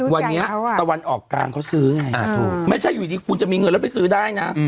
วันนี้ตะวันออกกลางเขาซื้อไงไม่ใช่อยู่ดีคุณจะมีเงินแล้วไปซื้อได้นะ